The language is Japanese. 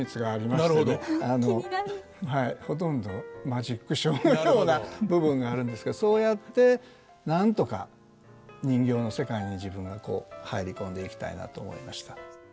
ほとんどマジックショーのような部分があるんですけどそうやってなんとか人形の世界に自分がこう入り込んでいきたいなと思いました。